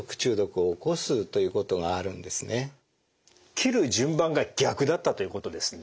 切る順番が逆だったということですね？